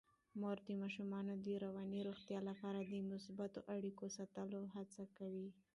مور د ماشومانو د رواني روغتیا لپاره د مثبتو اړیکو ساتلو هڅه کوي.